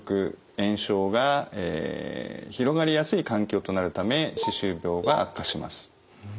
炎症が広がりやすい環境となるため歯周病が悪化します。